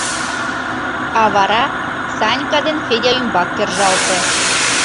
А вара Санька ден Федя ӱмбак кержалте.